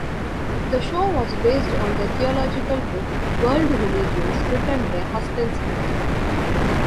The show was based on the theological book, "World Religions", written by Huston Smith.